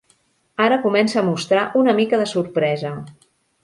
Ara comença a mostrar una mica de sorpresa.